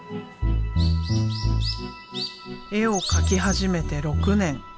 絵を描き始めて６年。